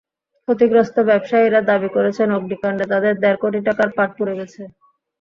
ক্ষতিগ্রস্ত ব্যবসায়ীরা দাবি করেছেন, অগ্নিকাণ্ডে তাঁদের দেড় কোটি টাকার পাট পুড়ে গেছে।